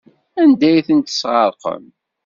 Anda ay ten-tesɣerqem?